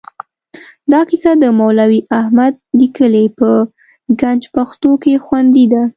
دا کیسه د مولوي احمد لیکلې په ګنج پښتو کې خوندي ده.